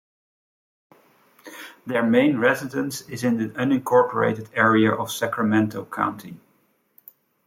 Their main residence is in the unincorporated area of Sacramento County.